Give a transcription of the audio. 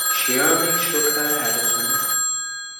She only shook her head at him.